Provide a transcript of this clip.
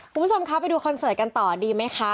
คุณผู้ชมคะไปดูคอนเสิร์ตกันต่อดีไหมคะ